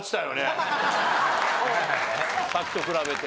さっきと比べて。